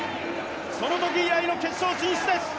そのとき以来の決勝進出です。